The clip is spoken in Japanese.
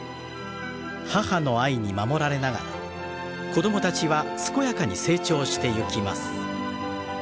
母の愛に守られながら子供たちは健やかに成長してゆきます。